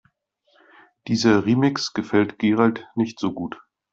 Dieser Remix gefällt Gerald nicht so gut.